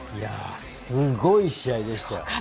すごい試合でしたよ。